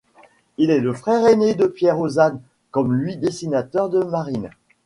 Il est le frère ainé de Pierre Ozanne, comme lui dessinateur de marine.